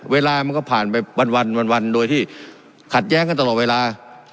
เวลามันก็ผ่านไปวันโดยที่ขัดแย้งกันตลอดเวลา